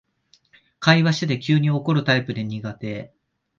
会話してて急に怒るタイプで苦手